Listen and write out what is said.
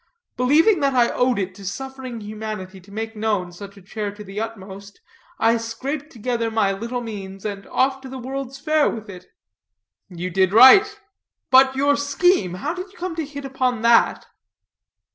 Believing that I owed it to suffering humanity to make known such a chair to the utmost, I scraped together my little means and off to the World's Fair with it." "You did right. But your scheme; how did you come to hit upon that?"